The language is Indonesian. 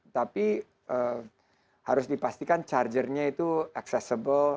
tapi harus dipastikan chargernya itu accessible